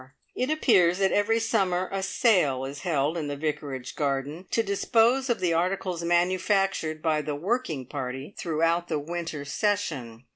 It appears that every summer a "Sale" is held in the vicarage garden to dispose of the articles manufactured by the "Working Party" throughout the winter session.